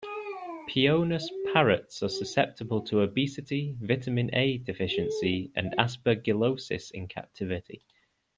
"Pionus" parrots are susceptible to obesity, vitamin A deficiency, and aspergillosis in captivity.